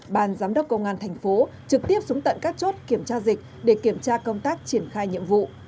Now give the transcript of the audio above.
bàn giám đốc công an thành phố trực tiếp xuống tận các chốt kiểm tra dịch để kiểm tra công tác triển khai nhiệm vụ